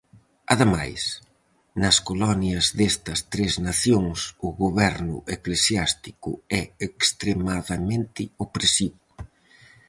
Ademais, nas colonias destas tres nacións o goberno eclesiástico é extremadamente opresivo.